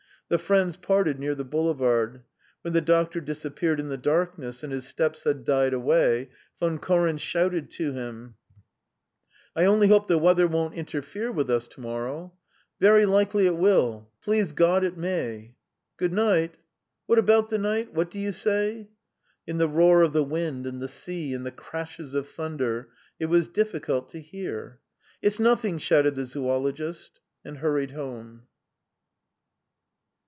The friends parted near the boulevard. When the doctor disappeared in the darkness and his steps had died away, Von Koren shouted to him: "I only hope the weather won't interfere with us to morrow!" "Very likely it will! Please God it may!" "Good night!" "What about the night? What do you say?" In the roar of the wind and the sea and the crashes of thunder, it was difficult to hear. "It's nothing," shouted the zoologist, and hurried home.